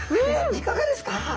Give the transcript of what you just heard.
いかがですか？